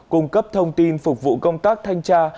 cung cấp thông tin phục vụ công tác thanh tra